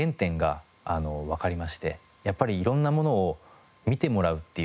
やっぱり色んなものを見てもらうっていう。